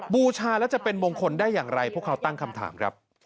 บูชาแล้วจะเป็นมงคลได้อย่างไรพวกเขาตั้งคำถามครับ